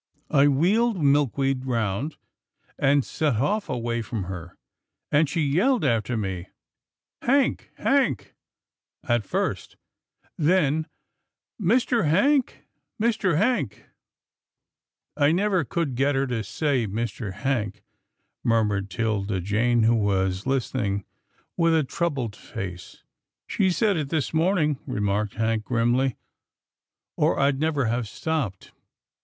I wheeled Milkweed round, and set off away from her, and she yelled after me, ' Hank, Hank,' — at first, then, ' Mr. Hank, Mr. Hank.' "" I never could get her to say Mr. Hank," mur RETURN OF THE TREASURES 203 mured 'Tilda Jane, who was listening with a troub led face. " She said it this morning," remarked Hank grimly, " or I'd never have stopped.